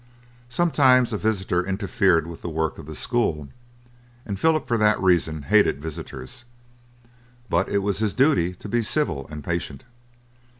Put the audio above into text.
Sometimes a visitor interfered with the work of the school, and Philip for that reason hated visitors; but it was his duty to be civil and patient.